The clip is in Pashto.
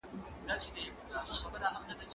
زه له سهاره اوبه پاکوم!.